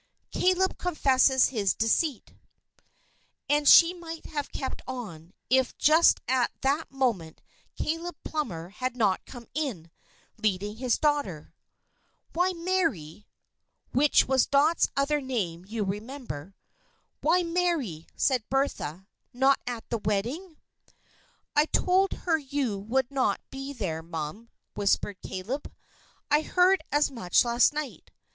Caleb Confesses His Deceit And she might have kept on, if just at that moment Caleb Plummer had not come in, leading his daughter. "Why, Mary" (which was Dot's other name, you remember). "Why, Mary!" said Bertha. "Not at the wedding?" "I told her you would not be there, mum," whispered Caleb. "I heard as much last night.